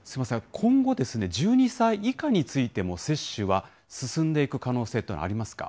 今後、１２歳以下についても、接種は進んでいく可能性というのはありますか？